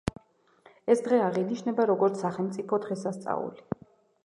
ეს დღე აღინიშნება როგორც სახელმწიფო დღესასწაული.